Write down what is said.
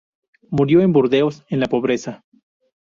Murió en Burdeos en la pobreza.